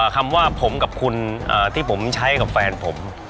คำว่าผมกับคุณที่ผมใช้กับแฟนผม